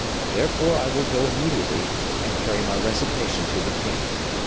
Therefore I will go immediately and carry my resignation to the king.